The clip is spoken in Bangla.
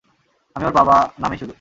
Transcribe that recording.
আমি ওর বাবা, নামেই শুধু!